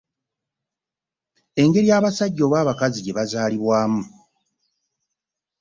Engeri abasajja oba abakazi gye bazaalibwamu.